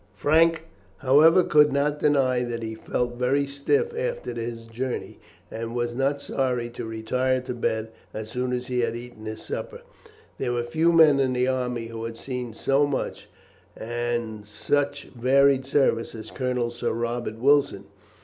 Frank, however, could not deny that he felt very stiff after his journey, and was not sorry to retire to bed as soon as he had eaten his supper. There were few men in the army who had seen so much and such varied service as Colonel Sir Robert Wilson.